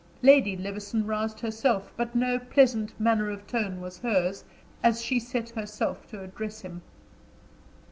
Lady Levison roused herself, but no pleasant manner of tone was hers, as she set herself to address him.